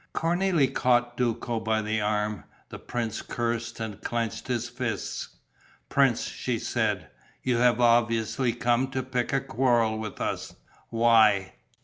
Cornélie caught Duco by the arm; the prince cursed and clenched his fists. "Prince," she said, "you have obviously come to pick a quarrel with us. Why?